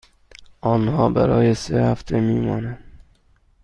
آنها برای سه هفته می مانند.